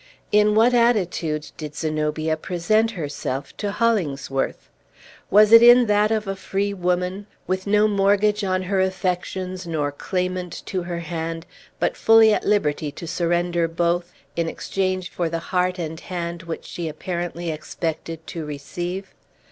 In what attitude did Zenobia present herself to Hollingsworth? Was it in that of a free woman, with no mortgage on her affections nor claimant to her hand, but fully at liberty to surrender both, in exchange for the heart and hand which she apparently expected to receive?